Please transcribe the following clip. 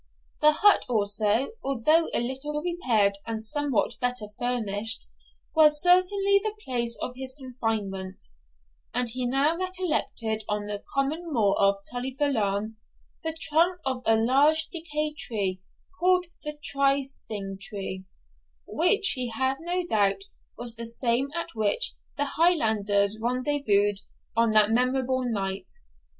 The hut also, although a little repaired and somewhat better furnished, was certainly the place of his confinement; and he now recollected on the common moor of Tully Veolan the trunk of a large decayed tree, called the try sting tree, which he had no doubt was the same at which the Highlanders rendezvoused on that memorable night.